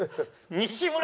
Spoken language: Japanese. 西村。